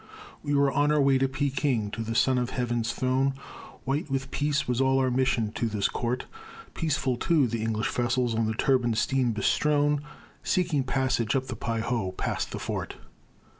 We were on our way to Peking, to the Son of Heaven's throne, White with peace was all our mission to his court, Peaceful, too, the English vessels on the turbid stream bestrown Seeking passage up the Pei Ho past the fort.